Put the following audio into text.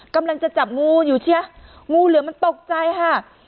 กำลังจะจับงูอยู่เชียงูเหลือมันตกใจค่ะ